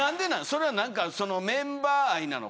それは何かメンバー愛なのか。